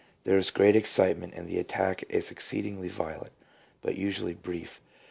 There is great excitement and the attack is exceedingly violent, but usually brief.